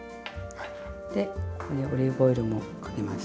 でここにオリーブオイルもかけます。